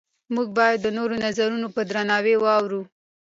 موږ باید د نورو نظرونه په درناوي واورو